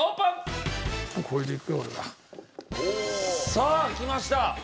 さあきました。